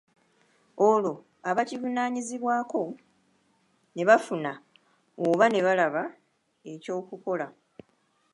Olwo abo abakivunaanyizibwako ne bafuna oba ne balaba ekyokukola.